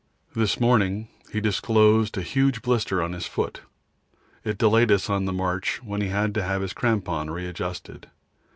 This morning he suddenly disclosed a huge blister on his foot. It delayed us on the march, when he had to have his crampon readjusted.